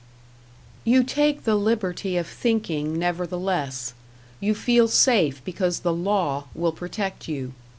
You take the liberty of thinking, nevertheless; you feel safe because the Law will protect you.